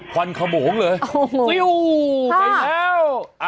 ไปแล้ว